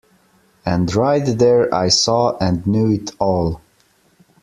And right there I saw and knew it all.